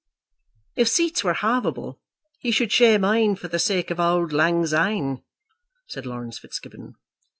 "If seats were halveable, he should share mine, for the sake of auld lang syne," said Laurence Fitzgibbon.